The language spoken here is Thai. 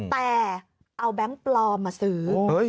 แต่เอาแบงค์ปลอมมาซื้อ